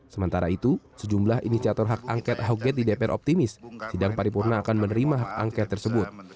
sementara itu sejumlah inisiator hak angket ahok gate di dpr optimis sidang paripurna akan menerima hak angket tersebut